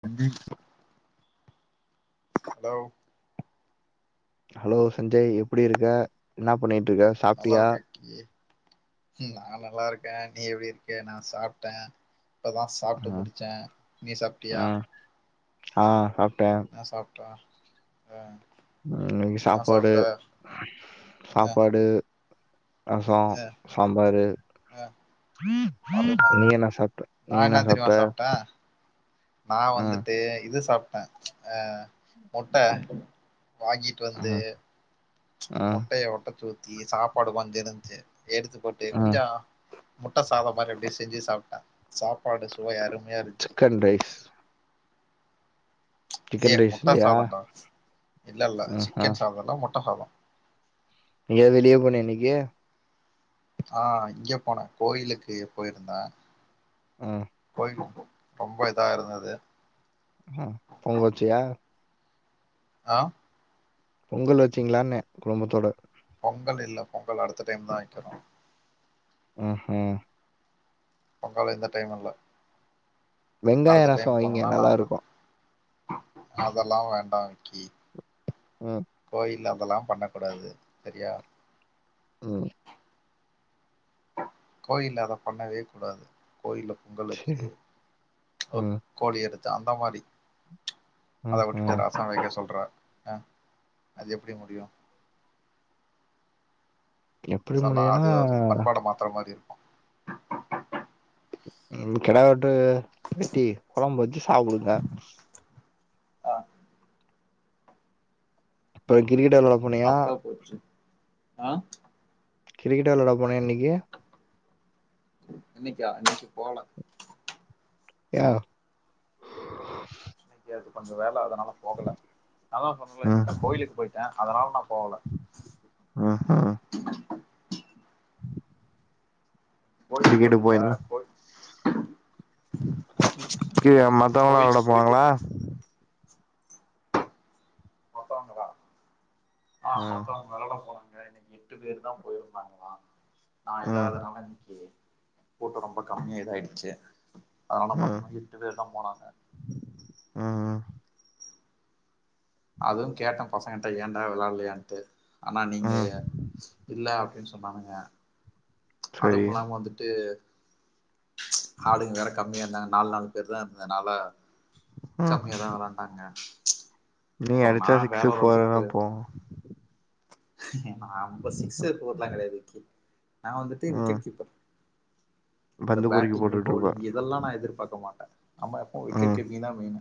சஞ்சின் hello hello Sanjay எப்படி இருக்க என்ன பண்ணிட் நல்லா இருக்கே அக்கி நான் நல்லா இருக்கேன் இருக்கன் நீ எப்படி இருக்க நான் சாப்பிட்டேன் இப்பதான் சாப்பிட்டு ஆஹ் முடிச்சேன் நீ சாப்பிட்டியா ஆஹ் சாப் என்னா சாப்பிட்டா ஆஹ் இன்னைக்கி சாப்பாடு ஆ சாப்பாடு ரசம் ஆ சாம்பாரு ஆ அரும நீ என்ன சாப்பட நீ நா என்ன சாப்பட தெரியுமா சாப்ட்டே நா வந்துட்டு இது சாப் ஆஹ் முட்ட வாங்கிட்டு வந்து ம் ம் முட்டைய ஒட ச்சி ஊத்தி சாப்பாடு வந்து இருந்துச்சு எடுத்து போட்டு ம் கொஞ்சோம் முட்ட சாதம் மாரி அப்படி செஞ்சு சாப்படேன் சாப்பாடு சுவை அருமையா இருந்துச்சு சிக்கன் ரைஸ் ஏ சிக்கன் ரைஸ் முட்ட இல்லையா சாதம்டா இல்ல இல்ல ம் சிக்கன் சாதம்ல முட்ட சாதம் எங்கயாவது வெளிய போனியா இன்னக்கி ஆஹ் இங்க போனேன் கோயிலுக்கு போயிருந்த ம் கோயி குப்போ ரொம்ப இதா இருந்தது உஹம் பொங்க வச்சியா ஆஹ் பொங்கல் வச்சீங்களான்னே குடும்பத்தோட பொங்கல் இல்ல பொங்கல் அடுத்த டைம் தான் வைக்கனும் ஹிம் ஹும் பொங்கல் இந்த டைம் இல்ல வெங்காய அடுத்த டைம் ரசம் வைங்க போனும்னா நல்லா நாப்பது இருக்கும் அதெல்லா வேண்டாம் கீ ம் கோயில்லாம் அதெல்லாம் பண்ண கூடாது சரியா உம் கோயில அத பண்ணவே கூடாது கோயில பொங்கல் சரி வச்சி ம் கோழி எடுத் த்த அந்த மாரி அத ம் ம் விட்டுட்டு ரச வைக்க சொல்றா அஹ் அது எப்டி முடியு எப்டி சல்லா முடியுன்னா அது அது பண்பாட மாத்ற மாரி இருக்கு கிடவெட்டு வெட்டி குழம்பு வச்சி சாப்டுங்க ஆஹ இப்ப கிரிக்கெட் வெளாயாட போணியா ஆஹ் கிரிக்கெட் வெளாட போனிய இன்னிக்கு இன்னிக்கா இன்னக்கு போல யா கொஞ்ச வேல அதா நால போகல நாதா சொன்னல ம் இன்னிக்கு கோயிலுக்கு போய்ட அதனால நா போகல ம் ம் கிரிக்கெட்டு போட்டுங்களா போயிர்ல மத்தவங்களா வெளாட கோயிலுக்கு போயிட்டு போவாங்ளா மத்தவுங்ளா ஆஹ் ம் மத்தவங் வெளாட போனாங் இன்னிக்கு எட்டு பேரு தா போய்ருந்தாங்ளா நா ம் இல்லாதனால இன்னிக்கு போட்டு ரொம்ப கம்யா இதாயிடுச்சு அதனால ம் மத்தமா எட்டு பேர்தா போனாங்க ம் அதுவு கேட்ட பசங்ட்ட ஏன்டா வேளாலயான்ட்டு ஆன நீங்க ம் இல்ல சொன்னானுங்க சரி அதுபுலாங் வந்துட்டு ஆளுங்க வேற கம்மியா இருந்தாங்க நாலு நாலு பேர் தா இருந்தனால ம் கம்மியாதா வெளாண்டாங்க நீ அப்புறோ நா அடிச்சா வேற சிக்ஸ்சு ஒரு ஃபோர் எடத்துக்கு தா போவும் போயிருந்தே நா அந்த சிக்ஸ் கெடயாது க்கி நா வந்துட்டு ம் விக்கெட் கீப்பர் இந்த பந்து பொறுக்கி பேட்டிங்கு போட்டுட்ருப்ப பவுலிங் இதெல்லா நா எதிர்பாக்க மாட்ட நம்ம எப்பவு விக்கெட் ம் கீப்பிங் தா மெய்னு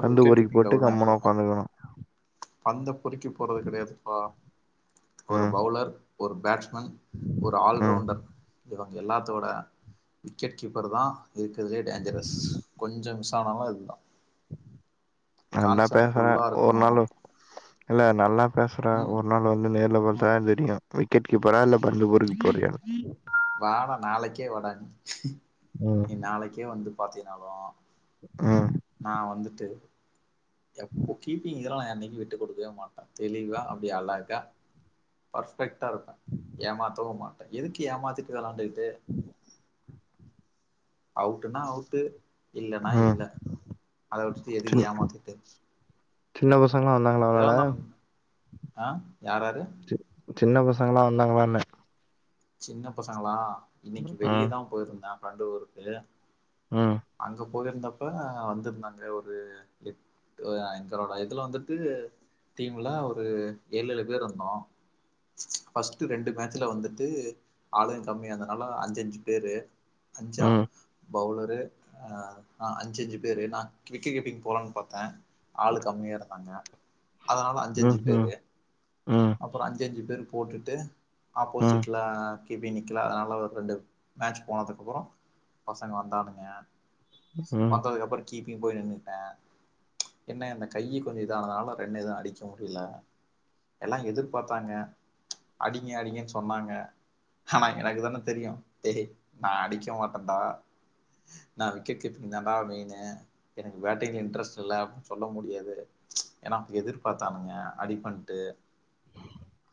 பந்து பொரிக்கி போட்டு கம்முனு ஒக்காந்துகணு பந்தப் பொருக்கி போரது கெடயா வா ஒரு ம் பவுலர் ஒரு பேட்ஸ் மேன் ஒரு ம் ஆல்ரவுண்டர் இது தா எல்லாத்தோட விக்கெட் கீப்பர் தா இருக்குறதுலே டேஞ்சரஸ் கொஞ்சோ மிஸ் தானாலு இதுதா நல்லா கான்சன்ட் பேசுற ஃபுல்லா ஒரு இருக்கணு நாளு இல்ல நல்லா பேசு ற ம் ஒரு நாள் வந்து ம் [unintelligible] தெரியு விக்கெட் கீப்பரா இல்ல பந்துப் பொருக்க போறியா வாடா நாளைக்கே வாடா நீ ம் நீ நாளைக்கே வந்து பாத்தினாலு ம் நா வந்துட்டு எப்ப கீப்பிங் இதலா யா அன்னக்கி விட்டு குடுக்கவே மாட்டே தெளிவா அப்டி அழாக பர்ஸ் ஃபெக்ட்டா‌இருப்பே ஏமாத்தவு மா டெ எதுக்கு ஏமாத்திட்டு வெளாண்டு டு அவுட்டுனா அவுட்டு இல்லன்னா ம் இல்ல அத விட்டுட்டு எதுக்கு சின் ஏமாத்திட்டு சின்ன ப சங்களா வந்தாங்களா எதா வெளாட இருந்தாலு ஆ யாராரு சி சின்ன பசங்களா வந்தாங்களான்னே சின்ன பசங்களா இன்னக்கி வெளியதா போயிருந்தே பந்து ஊருக்குல்லாயா. உம். போயிருந்தப்போ வந்திருந்தாங்க ஒரு எட் எங்கலோட இருந்தப்ப வந்துருந்தாங்க ஒரு எட் ஆஹ எங்களோட இதுல வந்துட்டு டீம்முல ஒரு ஏழு ஏழு பேர் இருந்தோ. ஃபர்ஸ்ட்டு ரெண்டு மேட்சுல வந்துட். டு ஆளுங்க கம்மி அதனால அஞ்சஞ்சு பேரு. அஞ்சா. ம் பவுலரு ஆஹா அஞ்சு அஞ்சு பேரு நா விக்கெட் கீப்பிங் போலன்னு பாத்த ஆளு கம்மியா இருந்தாங்க. அதனால அஞ்சஞ்சு ம் ம் பேரு. ம் அப்புறோ அஞ்சஞ்சு. பேர் போட்டுட்டு. ம் ஆப்போசிட்ல. கிபி நிக்கல அதனால ரெண்டு மேட்ச் போனதுக்கு அப்புறோ பசங்க வந்தானுங்க. ம் வந்ததுக்கு அப்புறோ. கீப்பிங் போய் நின்னுட்ட. என்ன இந்த கையி கொஞ்சோ இதானதுனால ரெண்டு இதவு அடிக்க முடியல. எல்லா எதிர்பாத்தாங்க. ம்ச் அடிங்க அடிங்கன்னு சொன்னாங்க. ஆனா எனக்கு தான தெரியு டேய் நா அடிக்க மாட்டன்டா. நா விக்கெட் கீப்பிங் தாடா மெயினு எனக்கு பேட்டிங்ல இன்ட்ரெஸ்ட் இல்ல அப்படின்னு சொல்ல முடியாது. ம்ச் ஏன்னா எதிர்பார்த்தானுங்க அடி பண்ட்டு.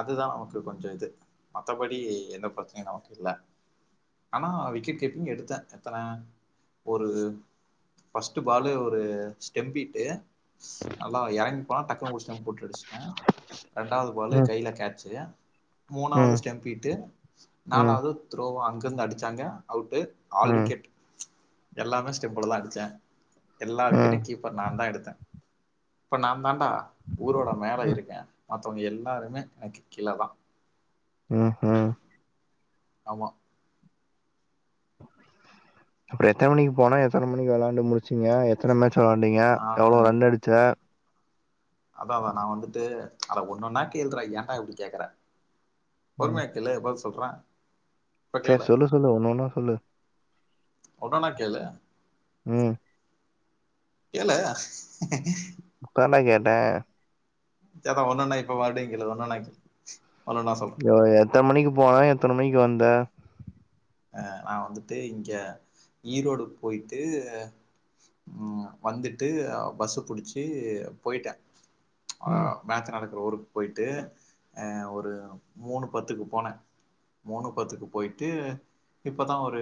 அதுதா நமக்கு கொஞ்சோ இது மத்தபடி எந்த பிரச்சனையும் நமக்கு இல்ல. ஆனா விக்கெட் கீப்பிங் எடுத்த எத்தன ஒரு ஃபஸ்ட்டு பாலு ஒரு ஸ்டெம்பிட்டு நல்லா இறங்கி பாத்த டக்குனு போட்டடிச்சுட்ட. இரண்டாவது பாலு ம் கையில கேட்ச்சு. மூணாவது ம் ஸ்டெம்பிட்டு. ம் நாலாவது துரோவா அங். இருந்து அடிச்சாங்க அவுட்டு. ம் ஆல் விக்கெட். எல்லாமே ஸ்டிம்பளதா அடிச்ச. எல்லா ம் விக்கெட்டும் கீப்பர் நாதா எடுத்த. இப்ப நாதான்டா. ஊரோட மேல ம் இருக்க. மத்தவங்க எல்லாருமே எனக்கு கீழதா. ஆஹஹே. ஆமா. அப்புறோ எத்தன மணிக்கு போன எத்தன மணி விளாண்டு முடிச்சிங்க எத்தன மணி. சொல்ல வந்திங்க நானு எவ்வளோ ரன் அடிச்ச. அதா அதா நா வந்துட்டு அத ஒன்ன ஒன்னா கேள்றா ஏன்டா இப்படி கேக்கற. பொருமையாக்கேளு பதில் சொல். சொல்ற. இப்ப சேர் கேளு சொல்லு சொல்லு ஒன்ன ஒன்னா சொல்லு. ஒடனா கேளு. ம் கேளே ஹேஹஹஸ். ஹஹேஹீ. [unintelligible] சதான் ஒன்னன்னா இப்ப மறுபடியும் கேளு ஒன்னன்னா கேள் ய எத்தன மணிக்கு போனா எத்தன மணிக்கு வந்த ஹ் நான் வந்துட்டு இங்க ஈரோடுக்கு போயிட்டு உஹம் வந்துட்டுபஸ் புடிச்சு போயிட்டேன் ம் ஆஹ் மேச்சு நட ரஊருக்கு போயிட்டு அஹ் ஒரு மூணு பத்துக்கு போனேன் மூணு பத்துக்கு போயிட்டு இப்பதான் ஒரு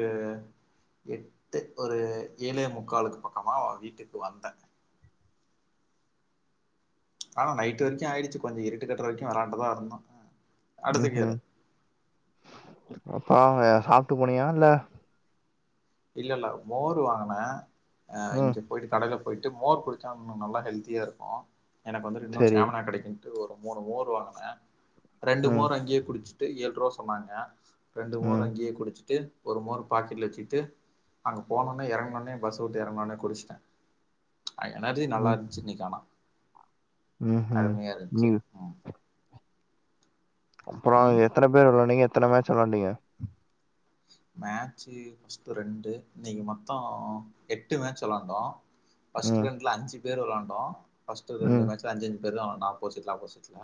எட்டு ஒரு ஏழே முக்காளுக்கு பக்கமா அவ வீட்டுக்கு வந்தனே ஆனா நைட்டு வரைக்கும் ஆயிடுச்சு கொஞ்சம் இருட்டுக்கட்டுற வரைக்கும் விளாண்டுதா இருந்தோம் அடுத்து ம்ஹ்ம் கேளு அப்பா அங்கசாப்ட்டு போனியா இல்ல இல்ல இல்ல மோர் வாங்கனே ஆ ம் இங்க போயிட்டு கடல போ போயிட்டு மோர் குடிச்சா இன்னு நல்லா ஹெல்தியா இருக்கு எனக்கு வந்துட்டு இன்னு சரி ஸ்டாமினா கெடைக்கு ஒரு மூணு மோர் வாங்கின சாப் ரெண்டு ம் மோற அங்கேயே குடிச்சிட்டு ஏல் ரூவா சொ ன்னாங்க ரெண்டு மோற ம் அங்கேயே குடிச்சிட்டு ஒரு மோர் பாக்கெட்ல வெச்சிட்டு அங்க போனோ ஒன்னே எறங்கணு ஒன்னே பஸ் விட்டு இறங்கணு ஒன்னேகுடிச்சுட்டே எனர்ஜி நல்லா இருன்ச்சி இன்னிக்கி ஆனா உம் ஹிம் அருமையா இருந்துச்சு உம் ம் அப்புறோ ம் எத்தன பேர் வெளையான்டிங்க எத் எத்தன மேச் வெளையான்டிங்க மேட்ச் ரெண்டு இன்னிக்கு மொத்தோ எட்டு மேட்ச் விளாண்டோ பஸ்ட் ம் ரெண்ட்ல அஞ்சு பேர் வெளாண்டோ பஸ்ட் ரெண்டு ம் மேச்ல அஞ்சு அஞ்சு இதெல்லா ஆப்போசிட்ல ஆப்போசிட்ல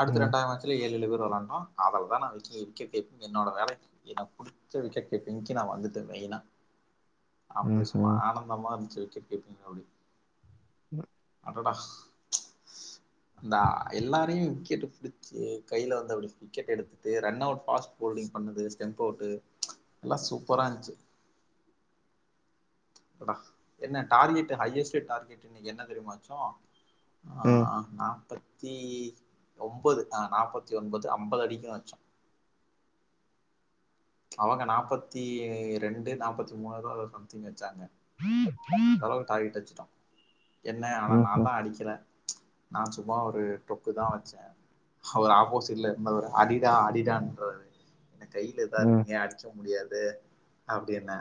அடுத்து ம் ரெண்டா மேச்சுல ஏலு ஏலு பேரு வெலானு அதுல தா நா விக்கெட் கீப்பர் என்னோட வேலய என புடிச்ச விக்கட் கீப்பீங்கி நா வந்துட்ட மெயினா அப்டி சும்மா ம்ஹ்ம் ஆனந்தமா இருந்துச்சி விக்கட் கீப்பீங் அப்டி உம் அடடா அந்த எல்லாரையும் விக்கெட்டு புடிச்சி கைல வந்து அப்டியே விக்கெட் எடுத்துட்டு ரன் அவுட் பாஸ் பௌலிங் பண்ணது டெம்ப் அவுட்டு நல்லா சூப்பரா இன்ச்சி அடடா என்ன டார்கெட் ஹையஸ்ட் டார்கெட் இன்னைக்கி என்ன தெரியுமா வச்சோம் ம் ஆஹ் நாப்பத் த்தி ஒம்பது ஆ நாப்பத்தி ஒன்பது அம்பது அடிக்கனும் வச்சோம் அவுங்க நாப்பத்தி ரெண்டு நாப்பத்தி மூனோ எதோ சம்திங் அச்சாங்க [inaudible] அந்த அளவுக்கு டார்கெட்டு அச்சிட்டோம் என்ன ஆனா நான் ம்ஹ்ம் தான் அடிக்கில நான் சும்மா ஒரு டொக்கு தான் வசசேன் அவர் ஆப்போசிட்ல இருந்தவரு அடிடா அடிடான்றாரு என்ன கையில இதா ம் இருக்குங்க அடிச்ச முடியாது து அப்படின்னே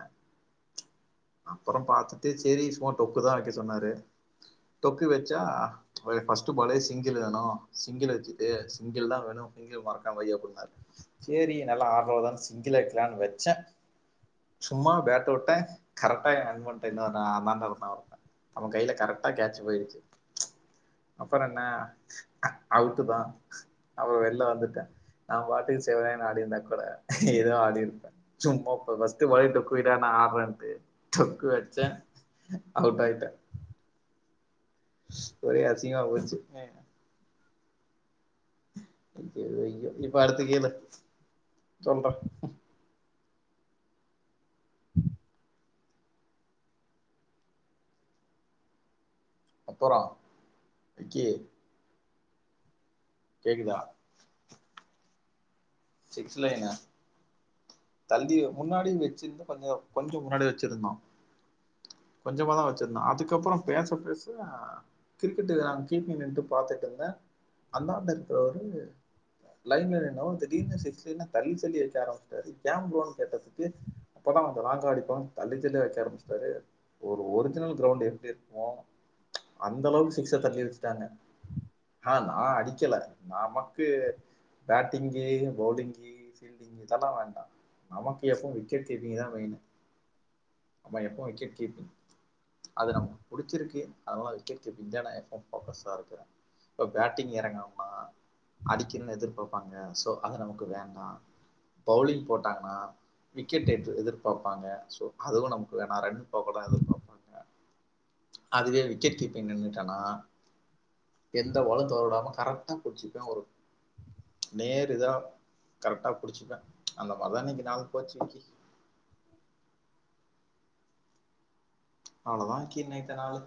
அப்புறம் பாத்துட்டு சேரி சும்மா டொக்கு தான் வைக்க சொன்னாரு டொக்கு வச்சா ஃபர்ஸ்ட் பாலே சிங்கிள் வேணும் சிங்கிள் வச்சுட்டு சிங்கிள் தான் வேணும் சிங்கிள் மறக்கா வைய் அப்டினாரு சேரி நல்லா ஆடுறது தான் சிங்கிள் வைக்கலான்னு வச்சேன் சும்மா பேட் டொட்டேன் கரெக்ட்டா என் நண்பண்ட்ட இன்னொன்னு அண்ண தான் அவன் கையில கரெக்ட்டா கேட்ச் போயிடுச்சு அப்புறம் என்ன அவுட்டு தான் அப்புறம் வெளில வந்துட்டேன் நான் பாட்டுக்கு சேவனினு ஆடிருந்தா கூட ஏதோ ஆடிருப்பேன் சும்மா ஃபர்ஸ்ட் பாலே டொக்கு அடிடா நான் ஆடுறேன்ட்டு டொக்கு வச்சேன் அவுட் ஆயிட்டேன் ஒரே அசிங்கமா போச்சு ஹ வை இப்ப அடுத்து கேளு சொல்றேன் அப்புறம் விக்கி கேக்குதா சிக்ஸ் லைன்னா தள்ளி முன்னாடி வச்சிருந்த பந்தையம் கொஞ்சம் கொஞ்சம் முன்னாடி வச்சிருந்தோம் கொஞ்சமாதான் வச்சிருந்தோம் அதுக்கப்புறம் பேச பேச கிரிக்கெட்டு நான் கேட்டீண்ட்டு பாத்துட்டு இருந்தேன் அந்தாண்ட இருக்கிற ஒரு லைன்ல என்ன திடீர்னு சிக்ஸ்னா தள்ளி தள்ளி அடிக்க ஆரம்பிச்சுட்டாரு கேம் கிரவுண்ட் கேட்டதுக்கு அப்போதான் அங்க வாங்க அடிப்போம் தள்ளி தள்ளி அடிக்க ஆரம்பிச்சிட்டாரு ஒரு ஒரிஜினல் கிரவுண்ட் எப்படி இருக்கும்மோ அந்த அளவுக்கு சிக்ஸை தள்ளி வச்சுட்டாங்க ஆனா நான் அடிக்கலை நமக்கு பேட்டிங்கு பவுலிங்கு ஃபீல்டிங்கு இதெல்லாம் வேண்டாம் நமக்கு எப்பவும் விக்கெட் கீப் இப்ப பேட்டிங் இறங்கனும்னா அடிக்கனம்னு எதிர்பார்ப் பாங்க சோ அது நமக்கு வேண்டாம் பவுலிங் போட் டாங்கனா விக்கெட் எதிர்பார்ப்பாங்க சோ அதுவும் நமக்கு வேண்டாம் ரன் எதிர்பாராங்க அதுவே விக்கெட் கீப்பிங் நின்னுடேனா எந்த வலம் தடாம கரெக்ட்டா புடிச்சுப்பேன் நேர் இதா கரெக்ட்டா புடிச்சுப்பேன் அந்த மதன்னைக்கு நாள் போச்சு விக்கி அவளோ தான் விக்கி என்ன இத்தன நாளு